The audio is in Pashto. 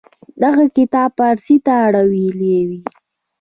دغه کتاب پارسي ته اړولې و.